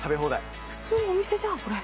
普通のお店じゃんこれ。